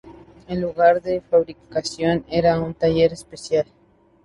El lugar de fabricación era un taller especial.